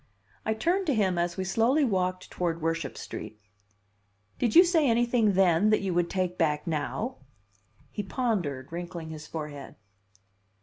I turned to him as we slowly walked toward Worship Street. "Did you say anything then that you would take back now?" He pondered, wrinkling his forehead.